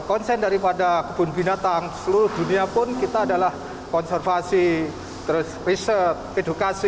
konsen daripada kebun binatang seluruh dunia pun kita adalah konservasi terus riset edukasi